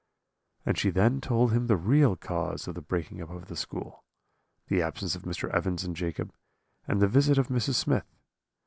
"And she then told him the real cause of the breaking up of the school, the absence of Mr. Evans and Jacob, and the visit of Mrs. Smith.